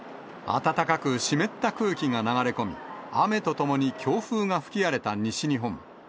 暖かく湿った空気が流れ込み、雨とともに強風が吹き荒れた西日本。